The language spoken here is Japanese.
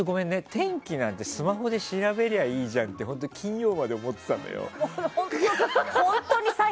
天気なんてスマホで調べりゃいいじゃんって金曜まで思ってたのよ。